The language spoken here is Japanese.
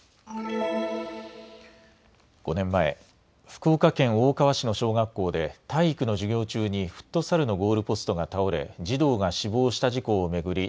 ５年前、福岡県大川市の小学校で体育の授業中にフットサルのゴールポストが倒れ児童が死亡した事故を巡り